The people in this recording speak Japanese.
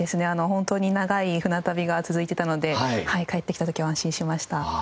本当に長い船旅が続いてたので帰ってきた時は安心しました。